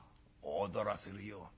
「踊らせるよ。